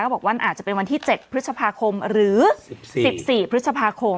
บอกว่าอาจจะเป็นวันที่๗พฤษภาคมหรือ๑๔พฤษภาคม